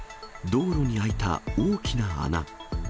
道路に開いた大きな穴。